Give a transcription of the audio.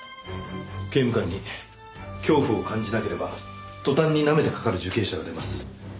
刑務官に恐怖を感じなければ途端になめてかかる受刑者が出ます。